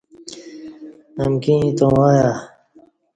امکی ییں تووں آیہ